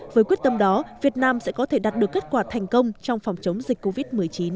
với quyết tâm đó việt nam sẽ có thể đạt được kết quả thành công trong phòng chống dịch covid một mươi chín